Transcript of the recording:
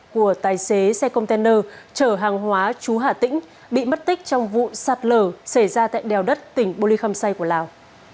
của tài xế xe container chở hàng hóa chú hà tĩnh bị mất tích trong vụ sạt lở xảy ra tại đèo đất tỉnh bô ly khâm say của lào